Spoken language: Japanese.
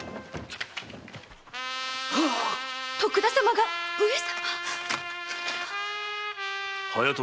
⁉徳田様が上様⁉隼人